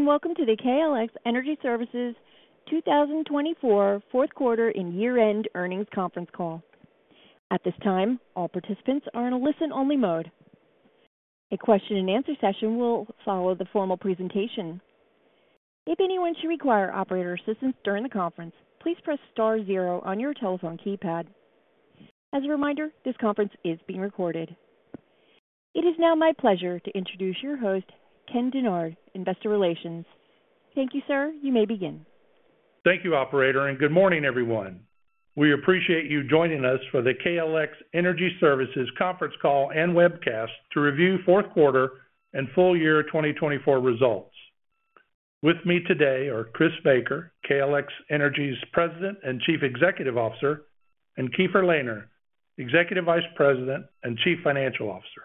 Welcome to the KLX Energy Services 2024 Fourth Quarter and Year-End Earnings Conference Call. At this time, all participants are in a listen-only mode. A question-and-answer session will follow the formal presentation. If anyone should require operator assistance during the conference, please press star zero on your telephone keypad. As a reminder, this conference is being recorded. It is now my pleasure to introduce your host, Ken Dennard, Investor Relations. Thank you, sir. You may begin. Thank you, operator, and good morning, everyone. We appreciate you joining us for the KLX Energy Services Conference Call and webcast to review fourth quarter and full year 2024 results. With me today are Chris Baker, KLX Energy's President and Chief Executive Officer, and Keefer Lehner, Executive Vice President and Chief Financial Officer.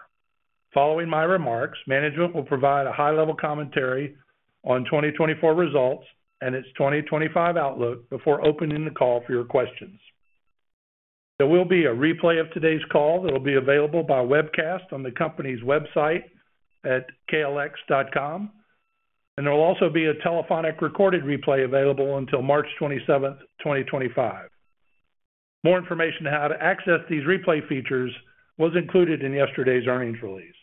Following my remarks, management will provide a high-level commentary on 2024 results and its 2025 outlook before opening the call for your questions. There will be a replay of today's call that will be available by webcast on the company's website at KLX.com, and there will also be a telephonic recorded replay available until March 27, 2025. More information on how to access these replay features was included in yesterday's earnings release.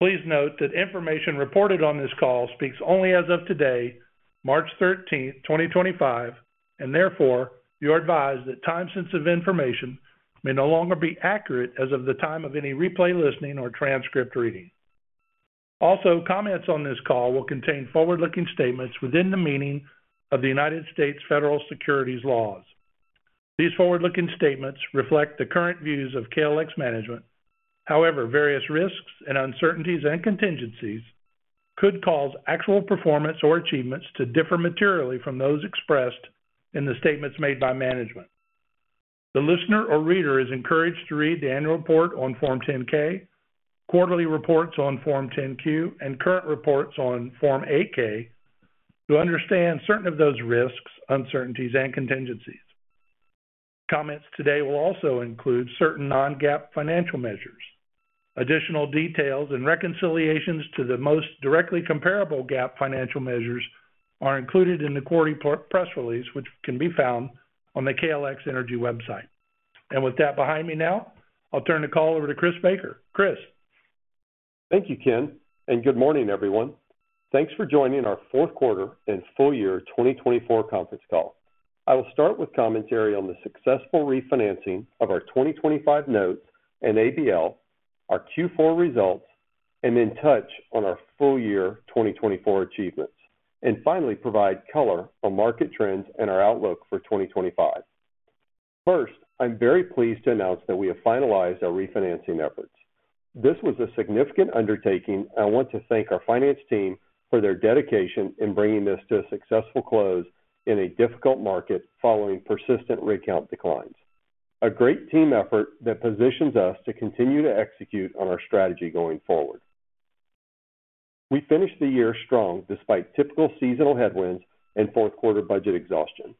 Please note that information reported on this call speaks only as of today, March 13, 2025, and therefore, you are advised that time-sensitive information may no longer be accurate as of the time of any replay listening or transcript reading. Also, comments on this call will contain forward-looking statements within the meaning of the U.S. Federal Securities Laws. These forward-looking statements reflect the current views of KLX management. However, various risks and uncertainties and contingencies could cause actual performance or achievements to differ materially from those expressed in the statements made by management. The listener or reader is encouraged to read the annual report on Form 10-K, quarterly reports on Form 10-Q, and current reports on Form 8-K to understand certain of those risks, uncertainties, and contingencies. Comments today will also include certain non-GAAP financial measures. Additional details and reconciliations to the most directly comparable GAAP financial measures are included in the quarterly press release, which can be found on the KLX Energy website. With that behind me now, I'll turn the call over to Chris Baker. Chris. Thank you, Ken, and good morning, everyone. Thanks for joining our fourth quarter and full year 2024 conference call. I will start with commentary on the successful refinancing of our 2025 notes and ABL, our Q4 results, and then touch on our full year 2024 achievements, and finally provide color on market trends and our outlook for 2025. First, I'm very pleased to announce that we have finalized our refinancing efforts. This was a significant undertaking, and I want to thank our finance team for their dedication in bringing this to a successful close in a difficult market following persistent rig count declines. A great team effort that positions us to continue to execute on our strategy going forward. We finished the year strong despite typical seasonal headwinds and fourth quarter budget exhaustion.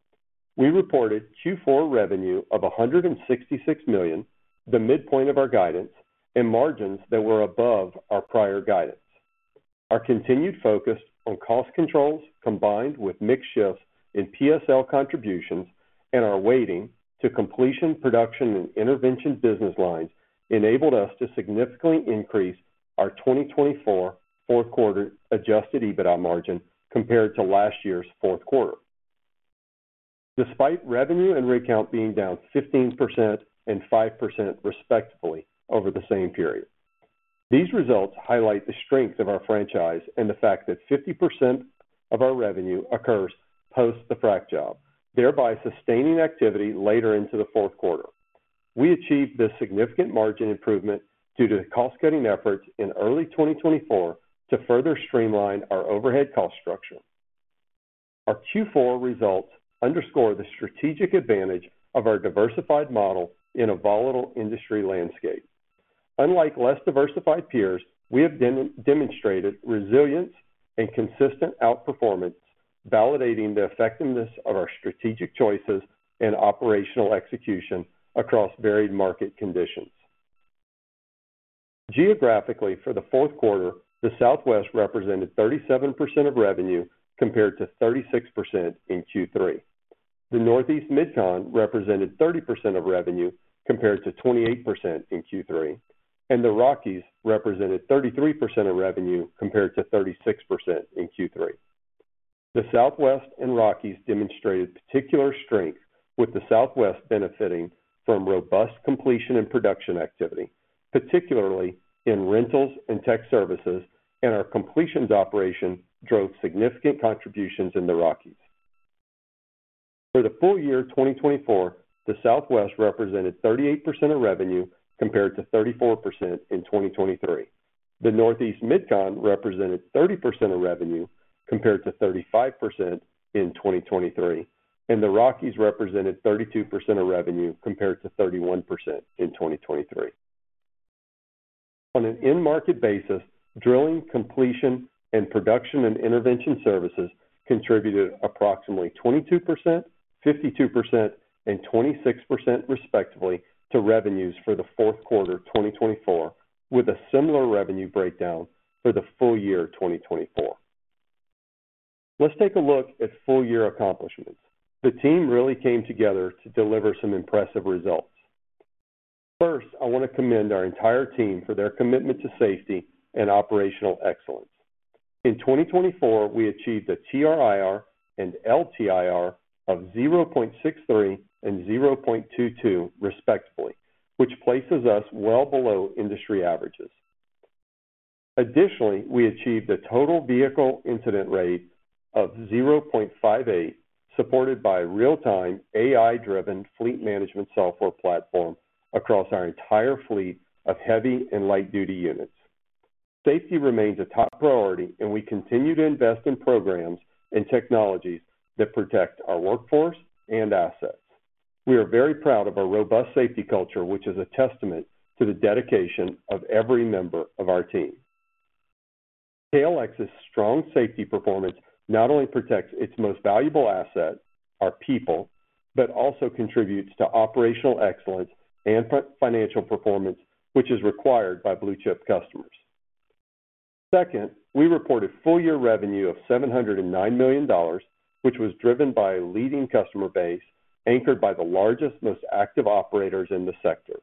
We reported Q4 revenue of $166 million, the midpoint of our guidance, and margins that were above our prior guidance. Our continued focus on cost controls combined with mix shifts in PSL contributions and our weighting to completion, production, and intervention business lines enabled us to significantly increase our 2024 fourth quarter adjusted EBITDA margin compared to last year's fourth quarter, despite revenue and rig count being down 15% and 5% respectively over the same period. These results highlight the strength of our franchise and the fact that 50% of our revenue occurs post-the frac job, thereby sustaining activity later into the fourth quarter. We achieved this significant margin improvement due to the cost-cutting efforts in early 2024 to further streamline our overhead cost structure. Our Q4 results underscore the strategic advantage of our diversified model in a volatile industry landscape. Unlike less diversified peers, we have demonstrated resilience and consistent outperformance, validating the effectiveness of our strategic choices and operational execution across varied market conditions. Geographically, for the fourth quarter, the Southwest represented 37% of revenue compared to 36% in Q3. The Northeast/Mid-Con represented 30% of revenue compared to 28% in Q3, and the Rockies represented 33% of revenue compared to 36% in Q3. The Southwest and Rockies demonstrated particular strength, with the Southwest benefiting from robust completion and production activity, particularly in rentals and tech services, and our completions operation drove significant contributions in the Rockies. For the full year 2024, the Southwest represented 38% of revenue compared to 34% in 2023. The Northeast/Mid-Con represented 30% of revenue compared to 35% in 2023, and the Rockies represented 32% of revenue compared to 31% in 2023. On an in-market basis, drilling, completion, and production and intervention services contributed approximately 22%, 52%, and 26% respectively to revenues for the fourth quarter 2024, with a similar revenue breakdown for the full year 2024. Let's take a look at full year accomplishments. The team really came together to deliver some impressive results. First, I want to commend our entire team for their commitment to safety and operational excellence. In 2024, we achieved a TRIR and LTIR of 0.63 and 0.22 respectively, which places us well below industry averages. Additionally, we achieved a total vehicle incident rate of 0.58, supported by a real-time AI-driven fleet management software platform across our entire fleet of heavy and light-duty units. Safety remains a top priority, and we continue to invest in programs and technologies that protect our workforce and assets. We are very proud of our robust safety culture, which is a testament to the dedication of every member of our team. KLX's strong safety performance not only protects its most valuable asset, our people, but also contributes to operational excellence and financial performance, which is required by blue-chip customers. Second, we reported full year revenue of $709 million, which was driven by a leading customer base anchored by the largest, most active operators in the sector.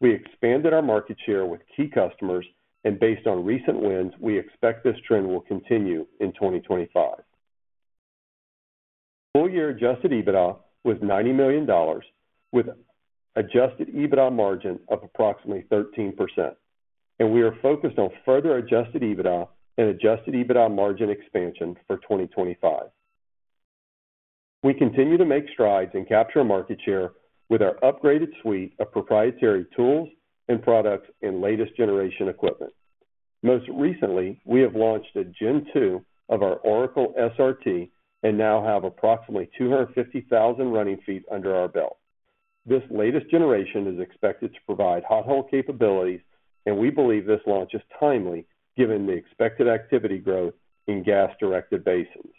We expanded our market share with key customers, and based on recent wins, we expect this trend will continue in 2025. Full year adjusted EBITDA was $90 million, with adjusted EBITDA margin of approximately 13%, and we are focused on further adjusted EBITDA and adjusted EBITDA margin expansion for 2025. We continue to make strides and capture market share with our upgraded suite of proprietary tools and products and latest generation equipment. Most recently, we have launched a Gen 2 of our Oracle SRT and now have approximately 250,000 running feet under our belt. This latest generation is expected to provide hot hole capabilities, and we believe this launch is timely given the expected activity growth in gas-directed basins.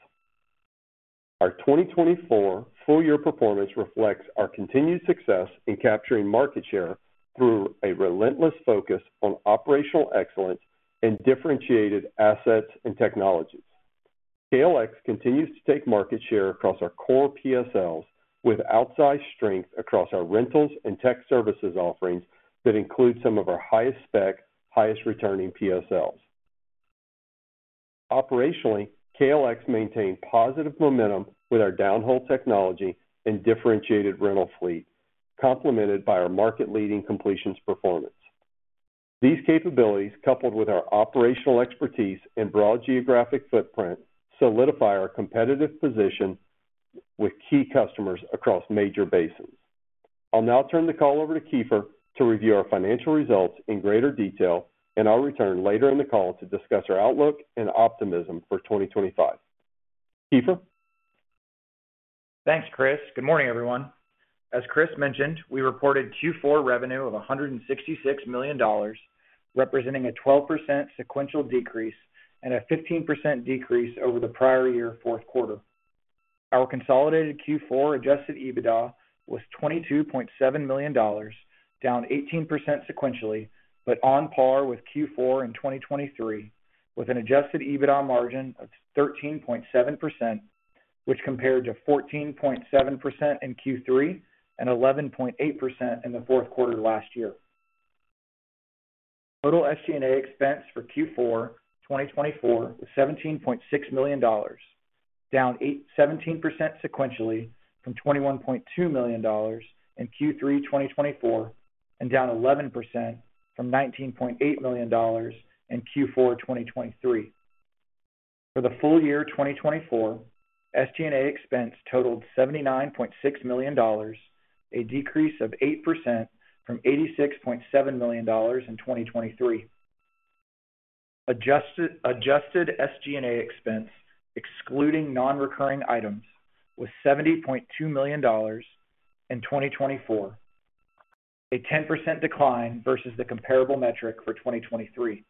Our 2024 full year performance reflects our continued success in capturing market share through a relentless focus on operational excellence and differentiated assets and technologies. KLX continues to take market share across our core PSLs with outsized strength across our rentals and tech services offerings that include some of our highest spec, highest returning PSLs. Operationally, KLX maintained positive momentum with our downhole technology and differentiated rental fleet, complemented by our market-leading completions performance. These capabilities, coupled with our operational expertise and broad geographic footprint, solidify our competitive position with key customers across major basins. I'll now turn the call over to Keefer to review our financial results in greater detail, and I'll return later in the call to discuss our outlook and optimism for 2025. Keefer. Thanks, Chris. Good morning, everyone. As Chris mentioned, we reported Q4 revenue of $166 million, representing a 12% sequential decrease and a 15% decrease over the prior year fourth quarter. Our consolidated Q4 adjusted EBITDA was $22.7 million, down 18% sequentially, but on par with Q4 in 2023, with an adjusted EBITDA margin of 13.7%, which compared to 14.7% in Q3 and 11.8% in the fourth quarter last year. Total SG&A expense for Q4 2024 was $17.6 million, down 17% sequentially from $21.2 million in Q3 2024, and down 11% from $19.8 million in Q4 2023. For the full year 2024, SG&A expense totaled $79.6 million, a decrease of 8% from $86.7 million in 2023. Adjusted SG&A expense, excluding non-recurring items, was $70.2 million in 2024, a 10% decline versus the comparable metric for 2023.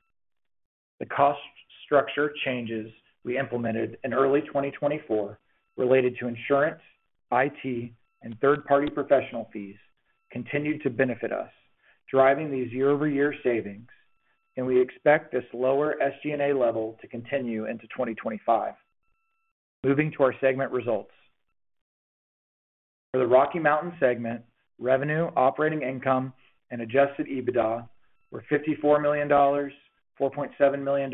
The cost structure changes we implemented in early 2024 related to insurance, IT, and third-party professional fees continued to benefit us, driving these year-over-year savings, and we expect this lower SG&A level to continue into 2025. Moving to our segment results. For the Rocky Mountain segment, revenue, operating income, and adjusted EBITDA were $54 million, $4.7 million,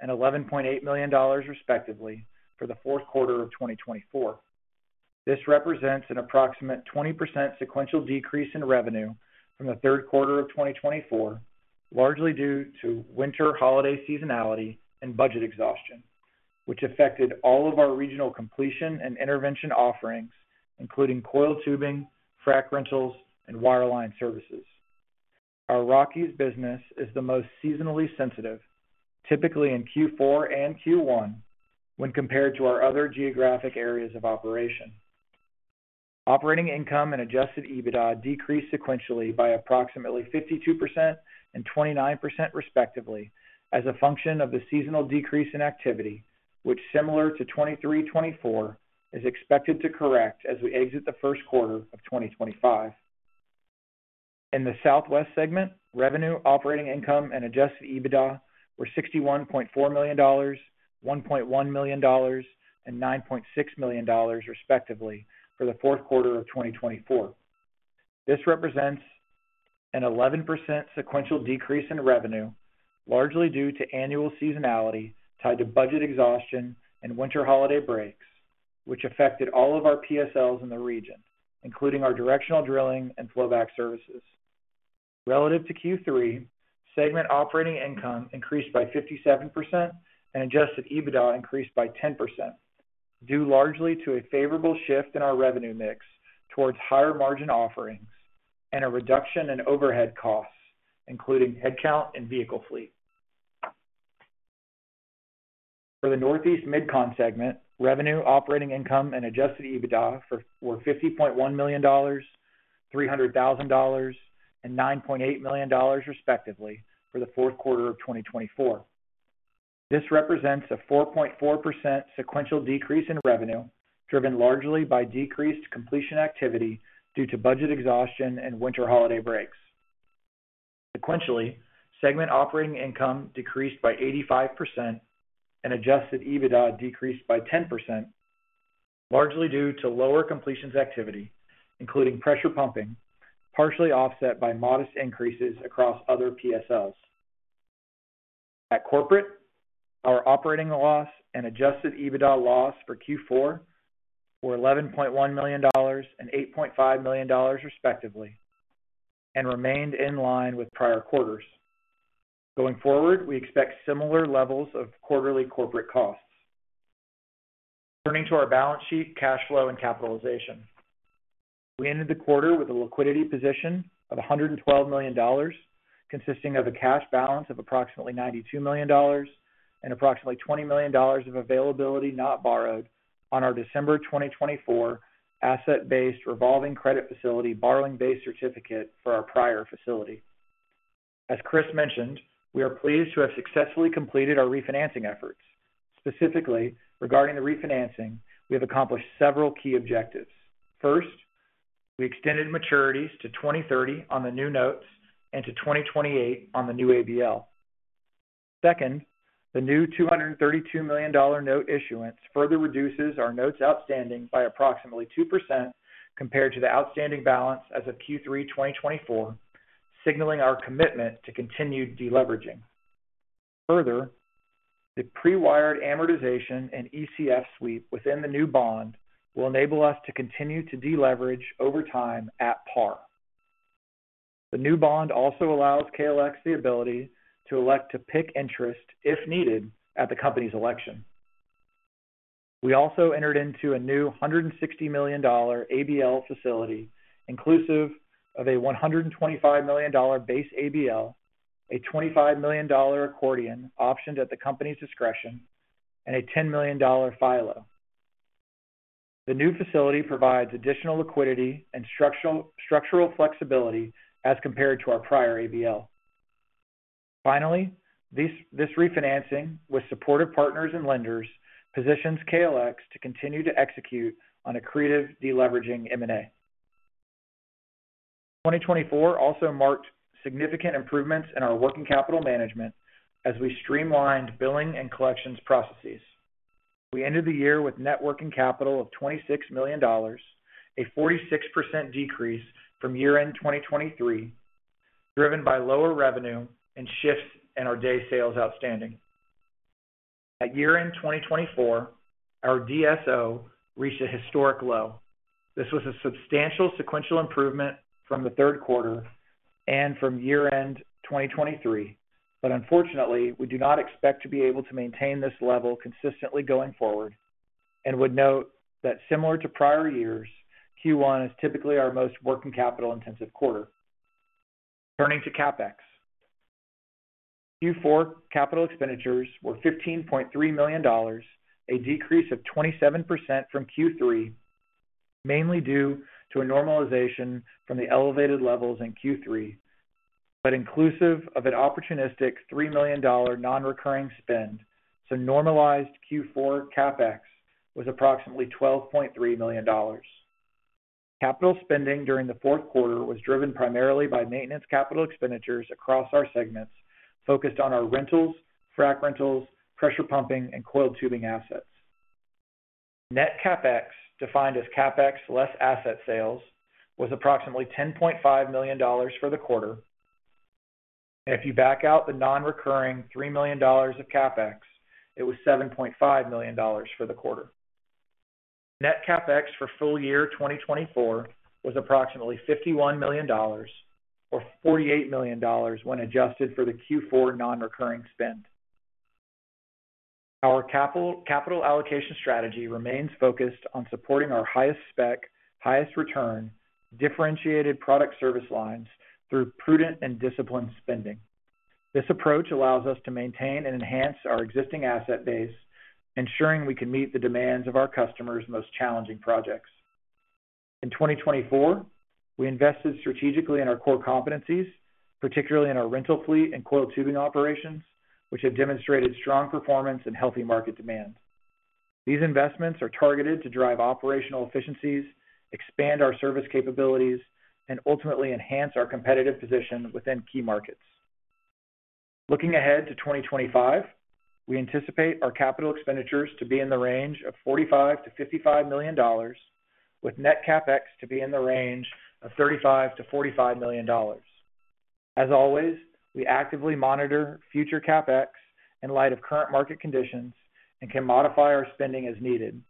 and $11.8 million respectively for the fourth quarter of 2024. This represents an approximate 20% sequential decrease in revenue from the third quarter of 2024, largely due to winter holiday seasonality and budget exhaustion, which affected all of our regional completion and intervention offerings, including coil tubing, frac rentals, and wireline services. Our Rockies business is the most seasonally sensitive, typically in Q4 and Q1, when compared to our other geographic areas of operation. Operating income and adjusted EBITDA decreased sequentially by approximately 52% and 29% respectively as a function of the seasonal decrease in activity, which, similar to 2023-2024, is expected to correct as we exit the first quarter of 2025. In the Southwest segment, revenue, operating income, and adjusted EBITDA were $61.4 million, $1.1 million, and $9.6 million respectively for the fourth quarter of 2024. This represents an 11% sequential decrease in revenue, largely due to annual seasonality tied to budget exhaustion and winter holiday breaks, which affected all of our PSLs in the region, including our directional drilling and flowback services. Relative to Q3, segment operating income increased by 57% and adjusted EBITDA increased by 10%, due largely to a favorable shift in our revenue mix towards higher margin offerings and a reduction in overhead costs, including headcount and vehicle fleet. For the Northeast/MidCon segment, revenue, operating income, and adjusted EBITDA were $50.1 million, $300,000, and $9.8 million respectively for the fourth quarter of 2024. This represents a 4.4% sequential decrease in revenue, driven largely by decreased completion activity due to budget exhaustion and winter holiday breaks. Sequentially, segment operating income decreased by 85% and adjusted EBITDA decreased by 10%, largely due to lower completions activity, including pressure pumping, partially offset by modest increases across other PSLs. At corporate, our operating loss and adjusted EBITDA loss for Q4 were $11.1 million and $8.5 million respectively and remained in line with prior quarters. Going forward, we expect similar levels of quarterly corporate costs. Turning to our balance sheet, cash flow, and capitalization. We ended the quarter with a liquidity position of $112 million, consisting of a cash balance of approximately $92 million and approximately $20 million of availability not borrowed on our December 2024 asset-based revolving credit facility borrowing-base certificate for our prior facility. As Chris mentioned, we are pleased to have successfully completed our refinancing efforts. Specifically, regarding the refinancing, we have accomplished several key objectives. First, we extended maturities to 2030 on the new notes and to 2028 on the new ABL. Second, the new $232 million note issuance further reduces our notes outstanding by approximately 2% compared to the outstanding balance as of Q3 2024, signaling our commitment to continued deleveraging. Further, the pre-wired amortization and ECF sweep within the new bond will enable us to continue to deleverage over time at par. The new bond also allows KLX the ability to elect to PIK interest if needed at the company's election. We also entered into a new $160 million ABL facility, inclusive of a $125 million base ABL, a $25 million accordion optioned at the company's discretion, and a $10 million FILO. The new facility provides additional liquidity and structural flexibility as compared to our prior ABL. Finally, this refinancing with supportive partners and lenders positions KLX to continue to execute on a creative deleveraging M&A. 2024 also marked significant improvements in our working capital management as we streamlined billing and collections processes. We ended the year with net working capital of $26 million, a 46% decrease from year-end 2023, driven by lower revenue and shifts in our days sales outstanding. At year-end 2024, our DSO reached a historic low. This was a substantial sequential improvement from the third quarter and from year-end 2023, but unfortunately, we do not expect to be able to maintain this level consistently going forward and would note that, similar to prior years, Q1 is typically our most working capital-intensive quarter. Turning to CapEx, Q4 capital expenditures were $15.3 million, a decrease of 27% from Q3, mainly due to a normalization from the elevated levels in Q3, but inclusive of an opportunistic $3 million non-recurring spend. Normalized Q4 CapEx was approximately $12.3 million. Capital spending during the fourth quarter was driven primarily by maintenance capital expenditures across our segments, focused on our rentals, frac rentals, pressure pumping, and coil tubing assets. Net CapEx, defined as CapEx less asset sales, was approximately $10.5 million for the quarter. If you back out the non-recurring $3 million of CapEx, it was $7.5 million for the quarter. Net CapEx for full year 2024 was approximately $51 million, or $48 million when adjusted for the Q4 non-recurring spend. Our capital allocation strategy remains focused on supporting our highest spec, highest return, differentiated product service lines through prudent and disciplined spending. This approach allows us to maintain and enhance our existing asset base, ensuring we can meet the demands of our customers' most challenging projects. In 2024, we invested strategically in our core competencies, particularly in our rental fleet and coil tubing operations, which have demonstrated strong performance and healthy market demand. These investments are targeted to drive operational efficiencies, expand our service capabilities, and ultimately enhance our competitive position within key markets. Looking ahead to 2025, we anticipate our capital expenditures to be in the range of $45-$55 million, with net CapEx to be in the range of $35-$45 million. As always, we actively monitor future CapEx in light of current market conditions and can modify our spending as needed.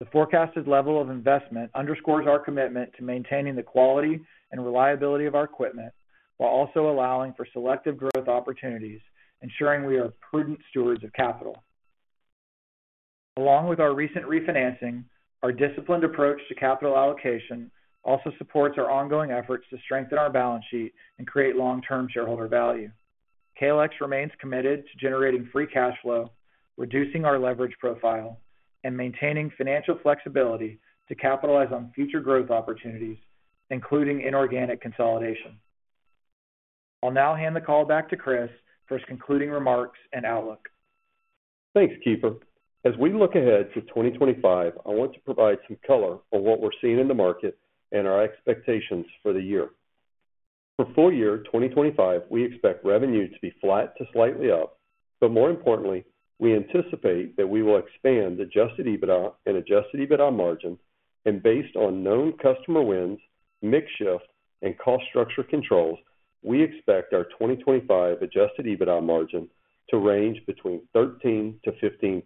The forecasted level of investment underscores our commitment to maintaining the quality and reliability of our equipment while also allowing for selective growth opportunities, ensuring we are prudent stewards of capital. Along with our recent refinancing, our disciplined approach to capital allocation also supports our ongoing efforts to strengthen our balance sheet and create long-term shareholder value. KLX remains committed to generating free cash flow, reducing our leverage profile, and maintaining financial flexibility to capitalize on future growth opportunities, including inorganic consolidation. I'll now hand the call back to Chris for his concluding remarks and outlook. Thanks, Keefer. As we look ahead to 2025, I want to provide some color for what we're seeing in the market and our expectations for the year. For full year 2025, we expect revenue to be flat to slightly up, but more importantly, we anticipate that we will expand adjusted EBITDA and adjusted EBITDA margin, and based on known customer wins, mix shift, and cost structure controls, we expect our 2025 adjusted EBITDA margin to range between 13%-15%.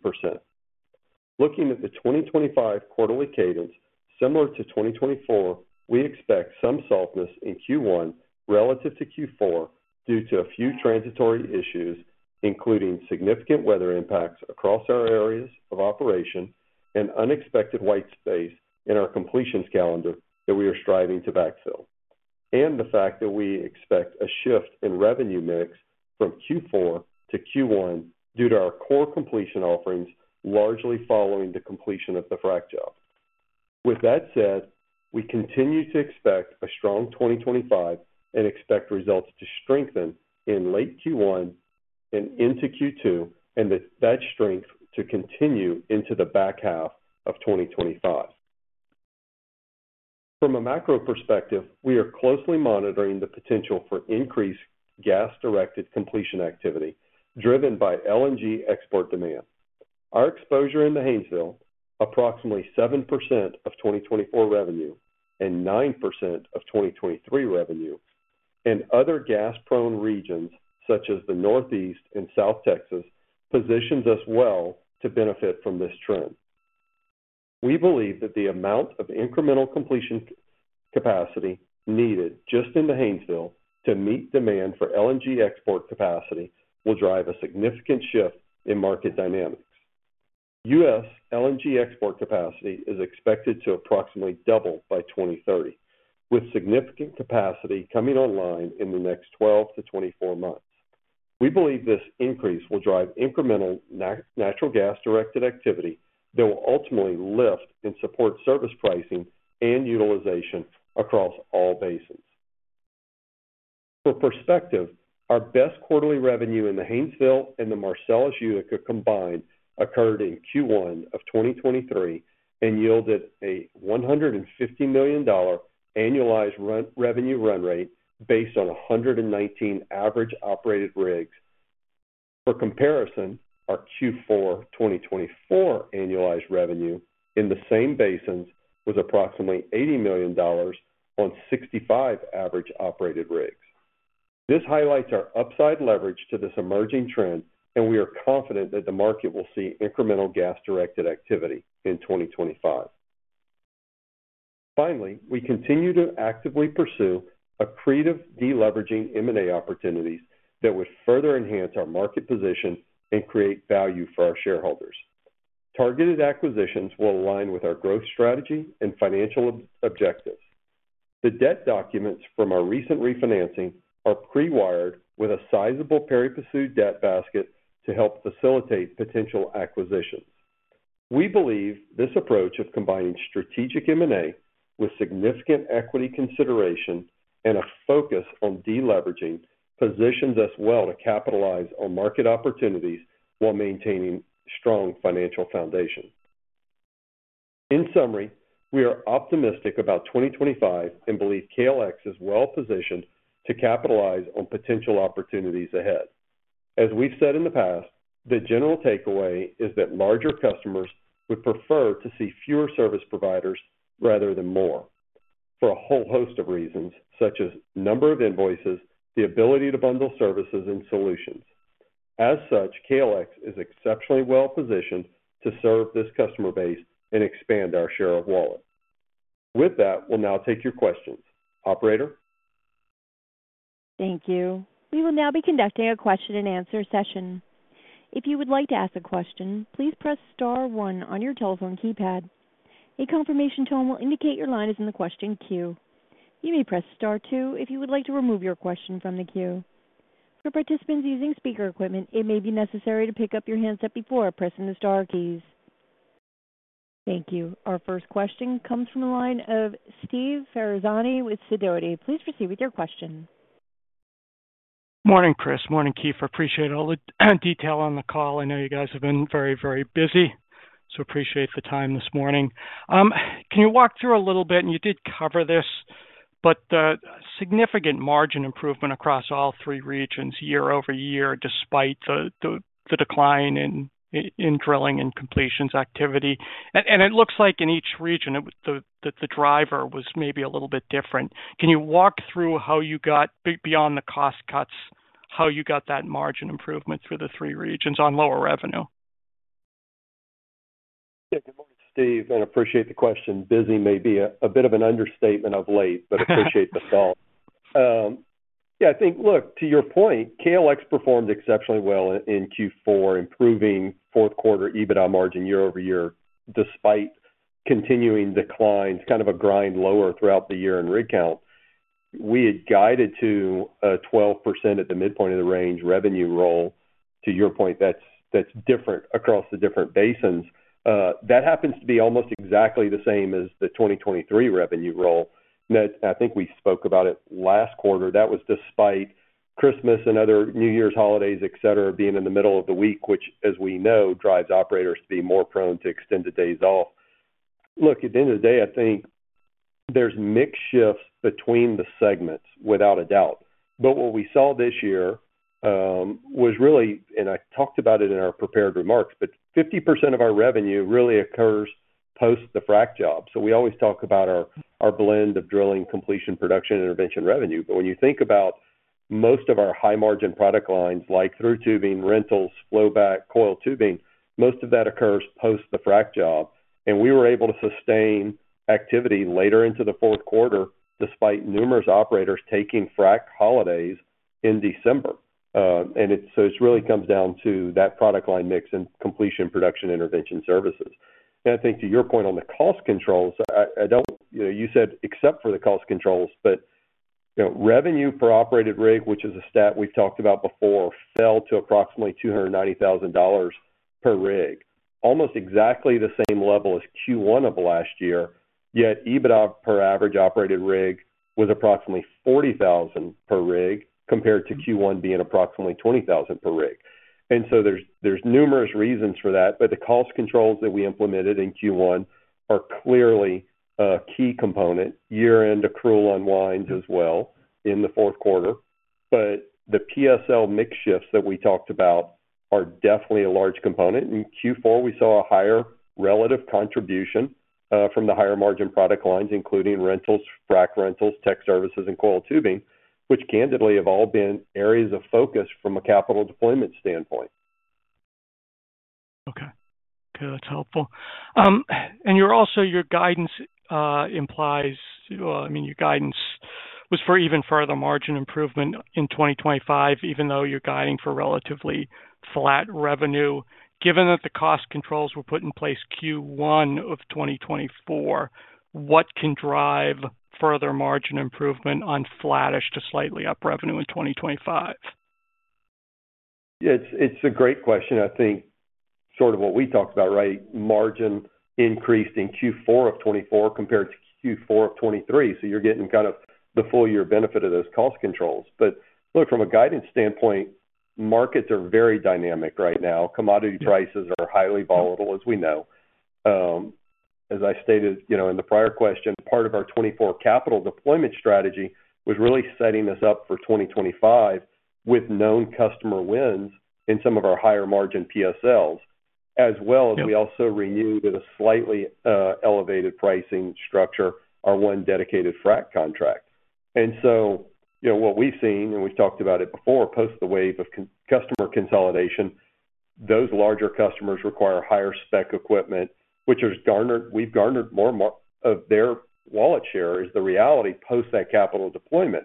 Looking at the 2025 quarterly cadence, similar to 2024, we expect some softness in Q1 relative to Q4 due to a few transitory issues, including significant weather impacts across our areas of operation and unexpected white space in our completions calendar that we are striving to backfill, and the fact that we expect a shift in revenue mix from Q4 to Q1 due to our core completion offerings largely following the completion of the frac job. With that said, we continue to expect a strong 2025 and expect results to strengthen in late Q1 and into Q2, and that strength to continue into the back half of 2025. From a macro perspective, we are closely monitoring the potential for increased gas-directed completion activity driven by LNG export demand. Our exposure in the Haynesville, approximately 7% of 2024 revenue and 9% of 2023 revenue, and other gas-prone regions such as the Northeast and South Texas positions us well to benefit from this trend. We believe that the amount of incremental completion capacity needed just in the Haynesville to meet demand for LNG export capacity will drive a significant shift in market dynamics. U.S. LNG export capacity is expected to approximately double by 2030, with significant capacity coming online in the next 12-24 months. We believe this increase will drive incremental natural gas-directed activity that will ultimately lift and support service pricing and utilization across all basins. For perspective, our best quarterly revenue in the Haynesville and the Marcellus/Utica combined occurred in Q1 of 2023 and yielded a $150 million annualized revenue run rate based on 119 average operated rigs. For comparison, our Q4 2024 annualized revenue in the same basins was approximately $80 million on 65 average operated rigs. This highlights our upside leverage to this emerging trend, and we are confident that the market will see incremental gas-directed activity in 2025. Finally, we continue to actively pursue accretive deleveraging M&A opportunities that would further enhance our market position and create value for our shareholders. Targeted acquisitions will align with our growth strategy and financial objectives. The debt documents from our recent refinancing are pre-wired with a sizable pari passu debt basket to help facilitate potential acquisitions. We believe this approach of combining strategic M&A with significant equity consideration and a focus on deleveraging positions us well to capitalize on market opportunities while maintaining strong financial foundations. In summary, we are optimistic about 2025 and believe KLX is well positioned to capitalize on potential opportunities ahead. As we've said in the past, the general takeaway is that larger customers would prefer to see fewer service providers rather than more for a whole host of reasons, such as the number of invoices, the ability to bundle services, and solutions. As such, KLX is exceptionally well positioned to serve this customer base and expand our share of wallet. With that, we'll now take your questions, Operator. Thank you. We will now be conducting a question-and-answer session. If you would like to ask a question, please press Star 1 on your telephone keypad. A confirmation tone will indicate your line is in the question queue. You may press Star 2 if you would like to remove your question from the queue. For participants using speaker equipment, it may be necessary to pick up your handset before pressing the Star keys. Thank you. Our first question comes from the line of Steve Ferazani with Sidoti. Please proceed with your question. Morning, Chris. Morning, Keefer. Appreciate all the detail on the call. I know you guys have been very, very busy, so appreciate the time this morning. Can you walk through a little bit? You did cover this, but the significant margin improvement across all three regions year over year, despite the decline in drilling and completions activity. It looks like in each region, the driver was maybe a little bit different. Can you walk through how you got beyond the cost cuts, how you got that margin improvement through the three regions on lower revenue? Yeah. Good morning, Steve, and appreciate the question. Busy may be a bit of an understatement of late, but appreciate the call. Yeah. I think, look, to your point, KLX performed exceptionally well in Q4, improving fourth-quarter EBITDA margin year over year, despite continuing declines, kind of a grind lower throughout the year in rig count. We had guided to a 12% at the midpoint of the range revenue roll. To your point, that's different across the different basins. That happens to be almost exactly the same as the 2023 revenue roll. I think we spoke about it last quarter. That was despite Christmas and other New Year's holidays, etc., being in the middle of the week, which, as we know, drives operators to be more prone to extended days off. Look, at the end of the day, I think there's mixed shifts between the segments, without a doubt. What we saw this year was really—and I talked about it in our prepared remarks—but 50% of our revenue really occurs post the frac job. We always talk about our blend of drilling, completion, production, intervention revenue. When you think about most of our high-margin product lines, like through tubing, rentals, flowback, coil tubing, most of that occurs post the frac job. We were able to sustain activity later into the fourth quarter, despite numerous operators taking frac holidays in December. It really comes down to that product line mix and completion, production, intervention services. I think, to your point on the cost controls, you said except for the cost controls, but revenue per operated rig, which is a stat we've talked about before, fell to approximately $290,000 per rig, almost exactly the same level as Q1 of last year. Yet EBITDA per average operated rig was approximately $40,000 per rig, compared to Q1 being approximately $20,000 per rig. There are numerous reasons for that, but the cost controls that we implemented in Q1 are clearly a key component. Year-end accrual unwinds as well in the fourth quarter. The PSL mix shifts that we talked about are definitely a large component. In Q4, we saw a higher relative contribution from the higher margin product lines, including rentals, frac rentals, tech services, and coil tubing, which candidly have all been areas of focus from a capital deployment standpoint. Okay. Okay. That's helpful. Your guidance implies—I mean, your guidance was for even further margin improvement in 2025, even though you're guiding for relatively flat revenue. Given that the cost controls were put in place Q1 of 2024, what can drive further margin improvement on flattish to slightly up revenue in 2025? Yeah. It's a great question. I think sort of what we talked about, right? Margin increased in Q4 of 2024 compared to Q4 of 2023. You're getting kind of the full year benefit of those cost controls. Look, from a guidance standpoint, markets are very dynamic right now. Commodity prices are highly volatile, as we know. As I stated in the prior question, part of our 2024 capital deployment strategy was really setting us up for 2025 with known customer wins in some of our higher margin PSLs, as well as we also renewed at a slightly elevated pricing structure, our one dedicated frac contract. What we've seen, and we've talked about it before, post the wave of customer consolidation, those larger customers require higher spec equipment, which we've garnered more of their wallet share is the reality post that capital deployment.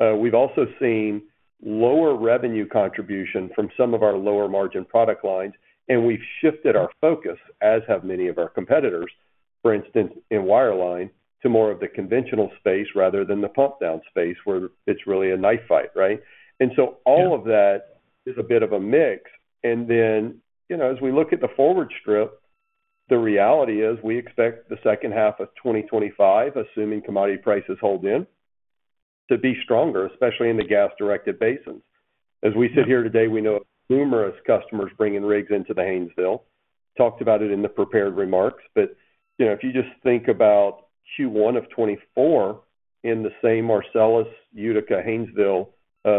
We've also seen lower revenue contribution from some of our lower margin product lines, and we've shifted our focus, as have many of our competitors, for instance, in wireline, to more of the conventional space rather than the pump-down space where it's really a knife fight, right? All of that is a bit of a mix. As we look at the forward strip, the reality is we expect the second half of 2025, assuming commodity prices hold in, to be stronger, especially in the gas-directed basins. As we sit here today, we know numerous customers bringing rigs into the Haynesville. Talked about it in the prepared remarks. If you just think about Q1 of 2024 in the same Marcellus Utica Haynesville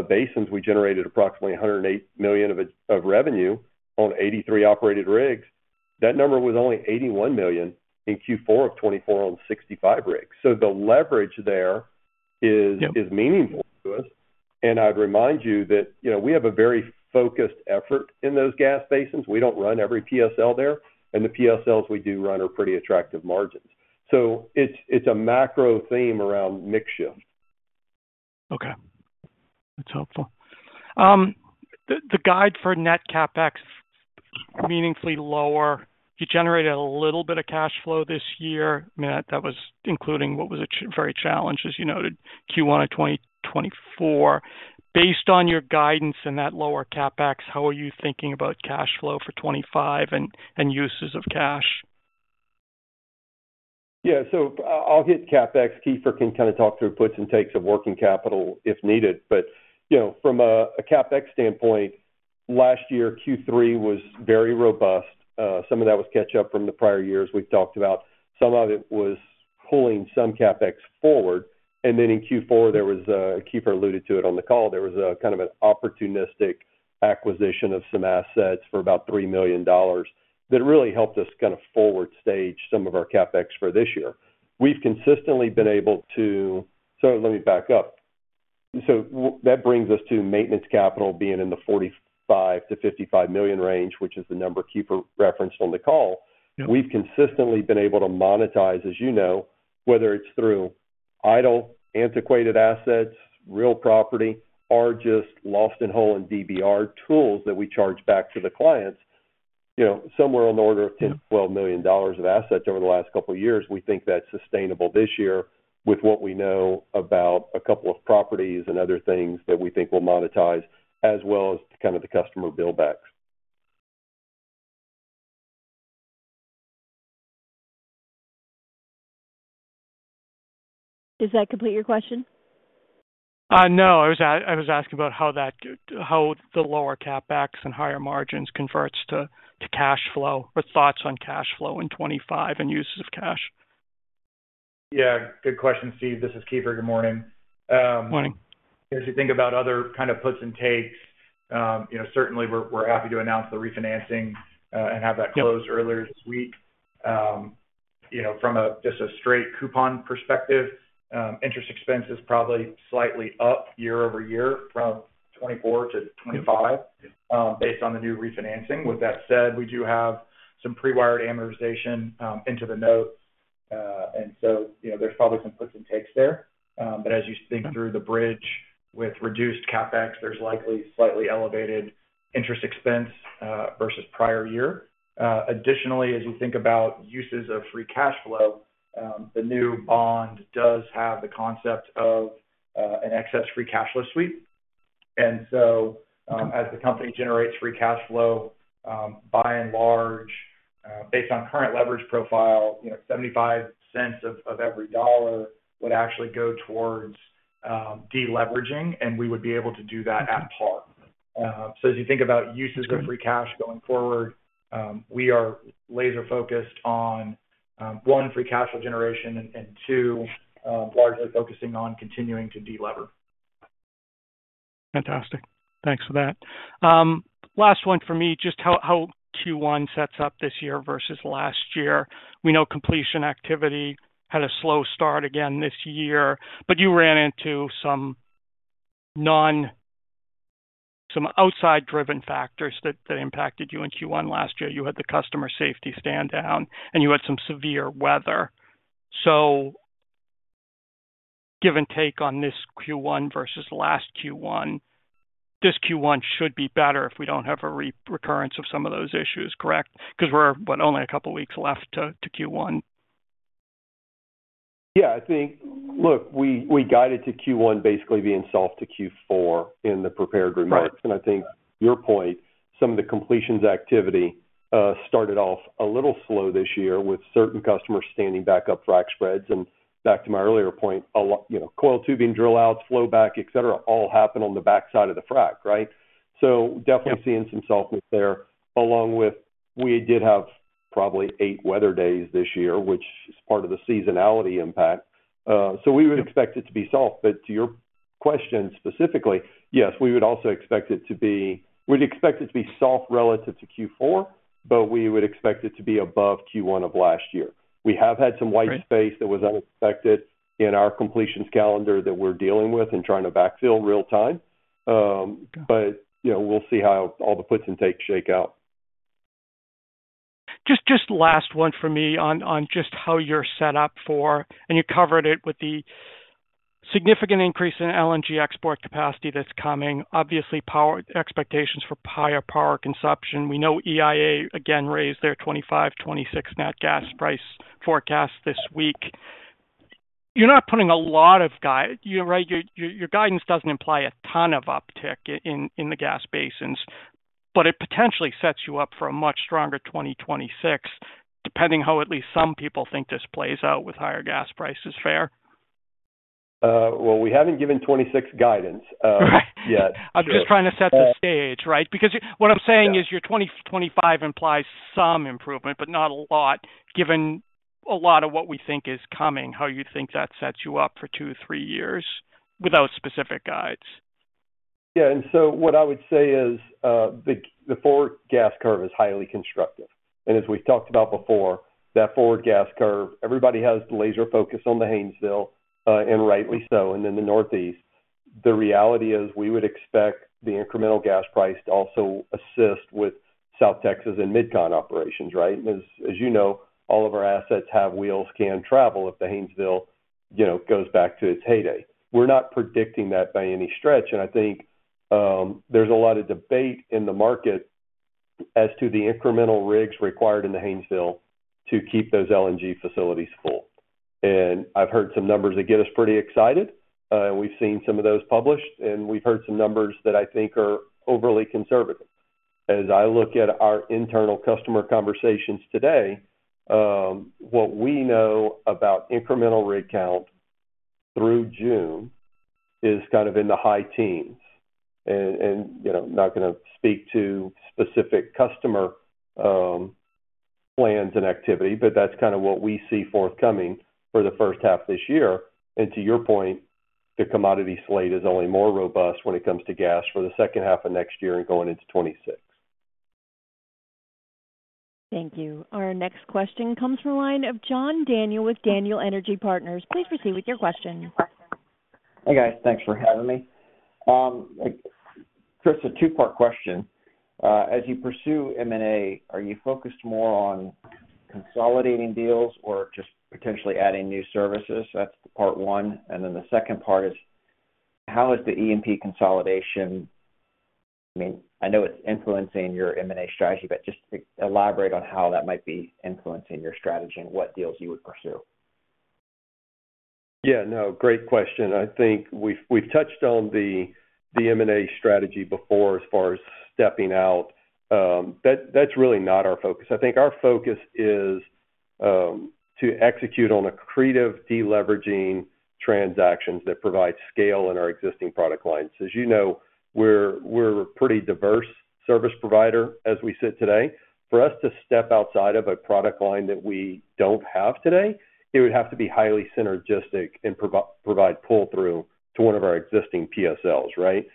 basins, we generated approximately $108 million of revenue on 83 operated rigs. That number was only $81 million in Q4 of 2024 on 65 rigs. The leverage there is meaningful to us. I would remind you that we have a very focused effort in those gas basins. We do not run every PSL there, and the PSLs we do run are pretty attractive margins. It is a macro theme around mix shift. Okay. That's helpful. The guide for net CapEx meaningfully lower. You generated a little bit of cash flow this year. I mean, that was including what was very challenged, as you noted, Q1 of 2024. Based on your guidance and that lower CapEx, how are you thinking about cash flow for 2025 and uses of cash? Yeah. I'll hit CapEx. Keefer can kind of talk through puts and takes of working capital if needed. From a CapEx standpoint, last year, Q3 was very robust. Some of that was catch-up from the prior years we've talked about. Some of it was pulling some CapEx forward. In Q4, Keefer alluded to it on the call, there was kind of an opportunistic acquisition of some assets for about $3 million that really helped us kind of forward stage some of our CapEx for this year. We've consistently been able to—let me back up. That brings us to maintenance capital being in the $45-$55 million range, which is the number Keefer referenced on the call. We've consistently been able to monetize, as you know, whether it's through idle, antiquated assets, real property, or just lost-in-hole and DBR tools that we charge back to the clients. Somewhere on the order of $10-$12 million of assets over the last couple of years, we think that's sustainable this year with what we know about a couple of properties and other things that we think we'll monetize, as well as kind of the customer build-backs. Does that complete your question? No. I was asking about how the lower CapEx and higher margins converts to cash flow or thoughts on cash flow in 2025 and uses of cash. Yeah. Good question, Steve. This is Keefer. Good morning. Morning. As you think about other kind of puts and takes, certainly, we're happy to announce the refinancing and have that close earlier this week. From just a straight coupon perspective, interest expenses probably slightly up year over year from 2024 to 2025 based on the new refinancing. With that said, we do have some pre-wired amortization into the note. There are probably some puts and takes there. As you think through the bridge with reduced CapEx, there's likely slightly elevated interest expense versus prior year. Additionally, as you think about uses of free cash flow, the new bond does have the concept of an excess free cash flow sweep. As the company generates free cash flow, by and large, based on current leverage profile, $0.75 of every dollar would actually go towards deleveraging, and we would be able to do that at par. As you think about uses of free cash going forward, we are laser-focused on, one, free cash flow generation and, two, largely focusing on continuing to delever. Fantastic. Thanks for that. Last one for me. Just how Q1 sets up this year versus last year. We know completion activity had a slow start again this year, but you ran into some outside-driven factors that impacted you in Q1 last year. You had the customer safety stand-down, and you had some severe weather. Give and take on this Q1 versus last Q1, this Q1 should be better if we do not have a recurrence of some of those issues, correct? Because we are only a couple of weeks left to Q1. Yeah. I think, look, we guided to Q1 basically being soft to Q4 in the prepared remarks. I think your point, some of the completions activity started off a little slow this year with certain customers standing back up frac spreads. Back to my earlier point, coil tubing drill-outs, flowback, etc., all happen on the backside of the frac, right? Definitely seeing some softness there, along with we did have probably eight weather days this year, which is part of the seasonality impact. We would expect it to be soft. To your question specifically, yes, we would also expect it to be—we'd expect it to be soft relative to Q4, but we would expect it to be above Q1 of last year. We have had some white space that was unexpected in our completions calendar that we're dealing with and trying to backfill real-time. We will see how all the puts and takes shake out. Just last one for me on just how you're set up for—and you covered it with the significant increase in LNG export capacity that's coming. Obviously, power expectations for higher power consumption. We know EIA, again, raised their 2025, 2026 net gas price forecast this week. You're not putting a lot of guide, right? Your guidance doesn't imply a ton of uptick in the gas basins, but it potentially sets you up for a much stronger 2026, depending how at least some people think this plays out with higher gas prices, fair? We have not given 2026 guidance yet. Right. I'm just trying to set the stage, right? Because what I'm saying is your 2025 implies some improvement, but not a lot, given a lot of what we think is coming, how you think that sets you up for two, three years without specific guides. Yeah. What I would say is the forward gas curve is highly constructive. As we've talked about before, that forward gas curve, everybody has the laser focus on the Haynesville, and rightly so, and in the Northeast. The reality is we would expect the incremental gas price to also assist with South Texas and MidCon operations, right? As you know, all of our assets have wheels, can travel if the Haynesville goes back to its heyday. We're not predicting that by any stretch. I think there's a lot of debate in the market as to the incremental rigs required in the Haynesville to keep those LNG facilities full. I've heard some numbers that get us pretty excited, and we've seen some of those published, and we've heard some numbers that I think are overly conservative. As I look at our internal customer conversations today, what we know about incremental rig count through June is kind of in the high teens. I am not going to speak to specific customer plans and activity, but that is kind of what we see forthcoming for the first half of this year. To your point, the commodity slate is only more robust when it comes to gas for the second half of next year and going into 2026. Thank you. Our next question comes from a line of John Daniel with Daniel Energy Partners. Please proceed with your question. Hey, guys. Thanks for having me. Chris, a two-part question. As you pursue M&A, are you focused more on consolidating deals or just potentially adding new services? That's part one. The second part is, how is the E&P consolidation—I mean, I know it's influencing your M&A strategy, but just elaborate on how that might be influencing your strategy and what deals you would pursue. Yeah. No, great question. I think we've touched on the M&A strategy before as far as stepping out. That's really not our focus. I think our focus is to execute on accretive deleveraging transactions that provide scale in our existing product lines. As you know, we're a pretty diverse service provider as we sit today. For us to step outside of a product line that we don't have today, it would have to be highly synergistic and provide pull-through to one of our existing PSLs, right?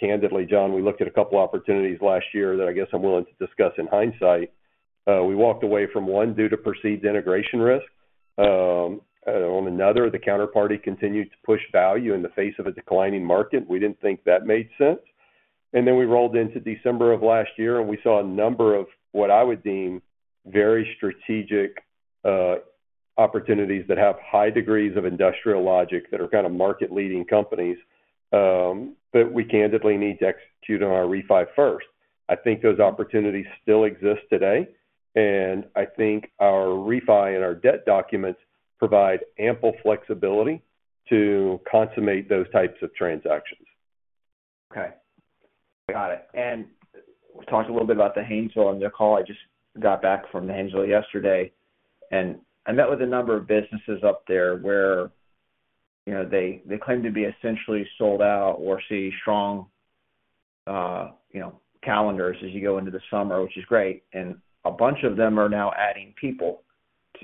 Candidly, John, we looked at a couple of opportunities last year that I guess I'm willing to discuss in hindsight. We walked away from one due to perceived integration risk. On another, the counterparty continued to push value in the face of a declining market. We didn't think that made sense. We rolled into December of last year, and we saw a number of what I would deem very strategic opportunities that have high degrees of industrial logic that are kind of market-leading companies. We candidly need to execute on our refi first. I think those opportunities still exist today. I think our refi and our debt documents provide ample flexibility to consummate those types of transactions. Okay. Got it. We talked a little bit about the Haynesville on the call. I just got back from the Haynesville yesterday. I met with a number of businesses up there where they claim to be essentially sold out or see strong calendars as you go into the summer, which is great. A bunch of them are now adding people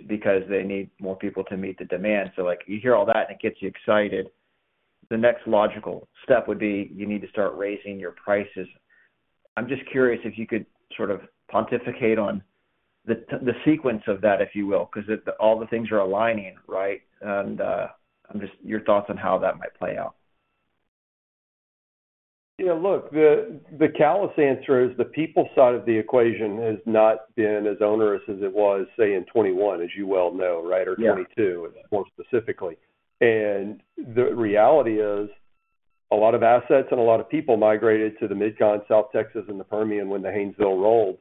because they need more people to meet the demand. You hear all that, and it gets you excited. The next logical step would be you need to start raising your prices. I'm just curious if you could sort of pontificate on the sequence of that, if you will, because all the things are aligning, right? Your thoughts on how that might play out. Yeah. Look, the callous answer is the people side of the equation has not been as onerous as it was, say, in 2021, as you well know, right, or 2022, more specifically. The reality is a lot of assets and a lot of people migrated to the MidCon, South Texas, and the Permian when the Haynesville rolled.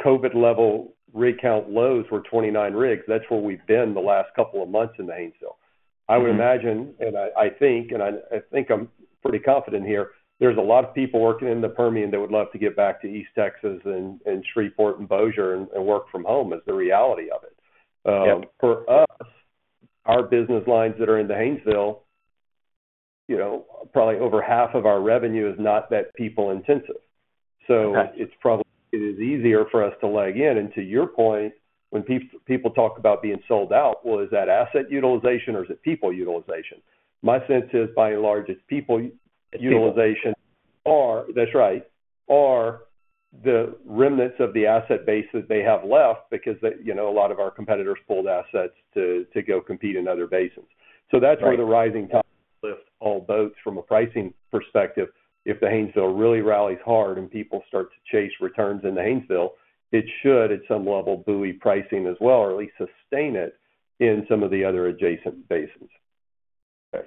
COVID-level rig count lows were 29 rigs. That's where we've been the last couple of months in the Haynesville. I would imagine, and I think, and I think I'm pretty confident here, there's a lot of people working in the Permian that would love to get back to East Texas and Shreveport and Bossier and work from home is the reality of it. For us, our business lines that are in the Haynesville, probably over half of our revenue is not that people-intensive. So it is easier for us to lag in. To your point, when people talk about being sold out, is that asset utilization or is it people utilization? My sense is, by and large, it's people utilization. That's right. Are the remnants of the asset base that they have left because a lot of our competitors pulled assets to go compete in other basins. That is where the rising tide lifts all boats from a pricing perspective. If the Haynesville really rallies hard and people start to chase returns in the Haynesville, it should, at some level, buoy pricing as well or at least sustain it in some of the other adjacent basins.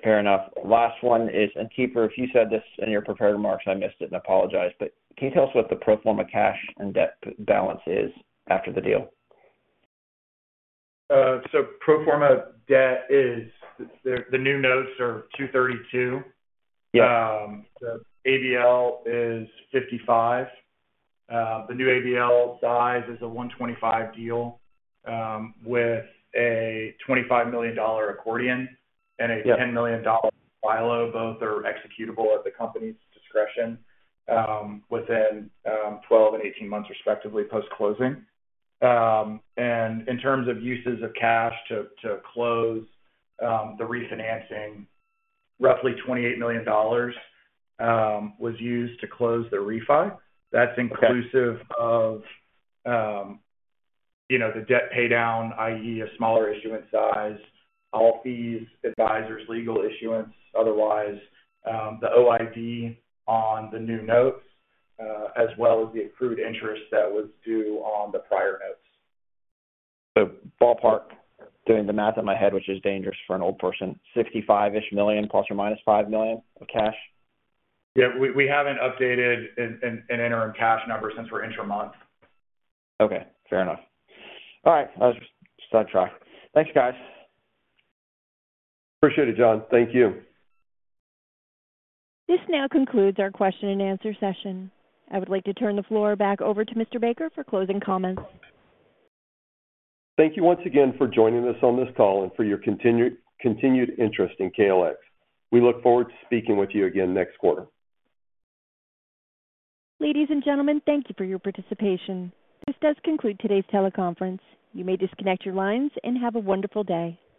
Fair enough. Last one is, and Keefer, if you said this in your prepared remarks, I missed it and apologize, but can you tell us what the pro forma cash and debt balance is after the deal? Pro forma debt is the new notes are $232. The ABL is $55. The new ABL size is a $125 deal with a $25 million accordion and a $10 million FILO. Both are executable at the company's discretion within 12 and 18 months respectively post-closing. In terms of uses of cash to close the refinancing, roughly $28 million was used to close the refi. That is inclusive of the debt paydown, i.e., a smaller issuance size, all fees, advisors, legal issuance, otherwise, the OID on the new notes, as well as the accrued interest that was due on the prior notes. Ballpark, doing the math in my head, which is dangerous for an old person, $65 million, plus or minus $5 million of cash? Yeah. We haven't updated an interim cash number since we're intra-month. Okay. Fair enough. All right. I'll just sidetrack. Thanks, guys. Appreciate it, John. Thank you. This now concludes our question-and-answer session. I would like to turn the floor back over to Mr. Baker for closing comments. Thank you once again for joining us on this call and for your continued interest in KLX. We look forward to speaking with you again next quarter. Ladies and gentlemen, thank you for your participation. This does conclude today's teleconference. You may disconnect your lines and have a wonderful day.